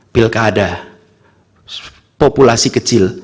bilka ada populasi kecil